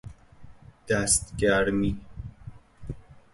دست گرمی